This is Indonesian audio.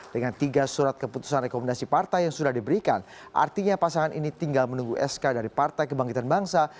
dengan tiga surat keputusan rekomendasi partai yang sudah diberikan artinya pasangan ini tinggal menunggu sk dari partai kebangkitan bangsa